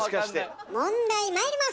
問題まいります！